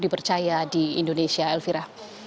dipercaya di indonesia elvira